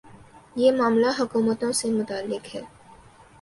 یہ معاملہ حکومتوں سے متعلق ہے۔